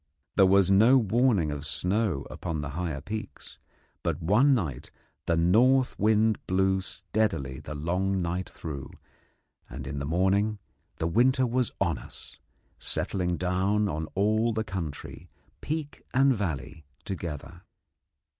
There was no warning of snow upon the higher peaks, but one night the north wind blew steadily the long night through, and in the morning the winter was on us, settling down on all the country, peak and valley, together.